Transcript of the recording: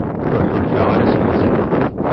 Ur ḥulfaɣ ara s leḥzen.